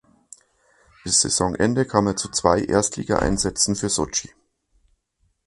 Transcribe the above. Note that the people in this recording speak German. Bis Saisonende kam er zu zwei Erstligaeinsätzen für Sotschi.